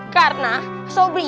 karena sobri itu berbicara